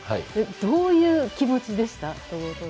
どういう気持ちでした？